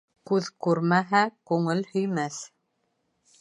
Күҙ күрмәһә, күңел һөймәҫ.